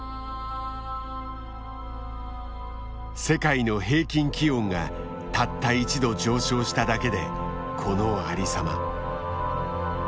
世界の平均気温がたった１度上昇しただけでこのありさま。